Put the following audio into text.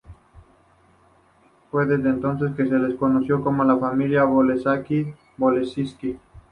Fue desde entonces que se les conoció como la familia Beloselski-Belozerski.